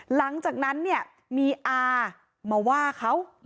หลังจากนั้นเนี่ยมีอามาว่าเขา